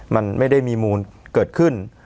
มันไม่ได้มีมูลเกิดขึ้น